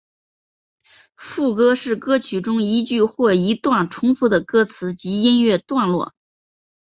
副歌是歌曲中一句或一段重复的歌词及音乐段落。